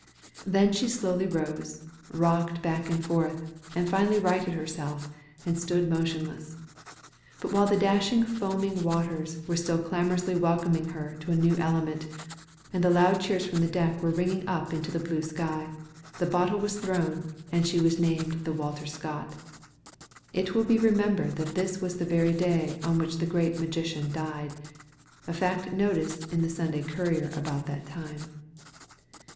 Then she slowly rose, rocked back and forth, and finally righted herself, and stood motionless. But while the dashing foaming waters were still clamorously welcoming her to a new element, and the loud cheers from the deck were ringing up into the blue sky, the bottle was thrown, and she was named the WALTER SCOTT. It will be remembered that this was the very day on which the Great Magician died a fact noticed in the Saturday Courier about that time.